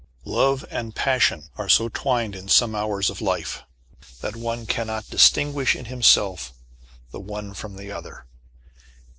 Love and passion are so twinned in some hours of life that one cannot distinguish in himself the one from the other.